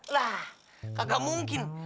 lah kagak mungkin